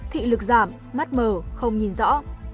thị lực giảm mắt mờ không nhìn rõ